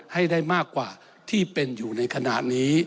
ให้ได้มากกว่าที่เป็นอยู่ในขณะนี้